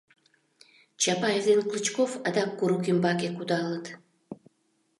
Чапаев ден Клычков адак курык ӱмбаке кудалыт...